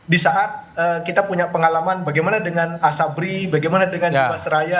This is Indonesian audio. di saat kita punya pengalaman bagaimana dengan asabri bagaimana dengan jiwasraya